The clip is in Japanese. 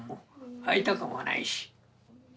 会いたくもないし。